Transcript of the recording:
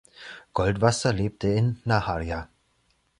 Goldwasser lebte in Naharija.